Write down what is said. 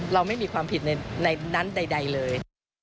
เราไม่มีความผิดในนั้นใดเลย